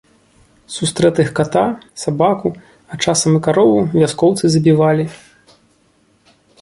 Сустрэтых ката, сабаку, а часам і карову вяскоўцы забівалі.